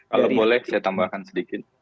kalau boleh saya tambahkan sedikit